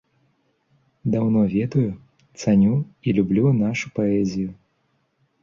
Даўно ведаю, цаню і люблю нашу паэзію.